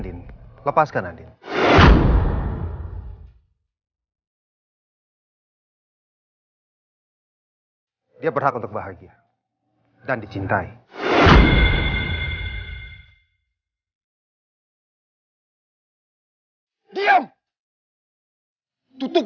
itu kan kampus waktu mbak anin ngajar